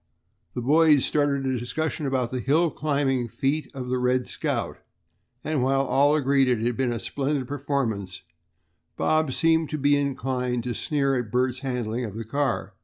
The boys started a discussion about the hill climbing feat of the "Red Scout," and while all agreed that it had been a splendid performance, Bob seemed to be inclined to sneer at Bert's handling of the car.